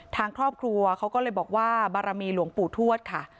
ทางครอบครัวเขาก็เลยบอกว่าบารมีหลวงปู่ทวดค่ะ